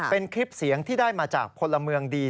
เป็นคลิปเสียงที่ได้มาจากพลเมืองดี